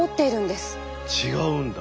違うんだ。